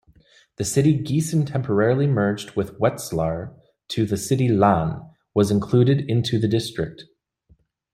The city Giessen-temporarily merged with Wetzlar to the city "Lahn"-was included into the district.